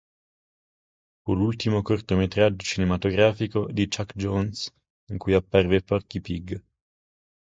Fu l'ultimo cortometraggio cinematografico di Chuck Jones in cui apparve Porky Pig.